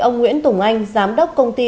ông nguyễn tùng anh giám đốc công ty